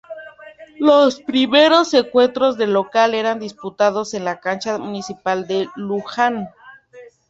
Los primeros encuentros de local eran disputados en la cancha Municipal de Luján.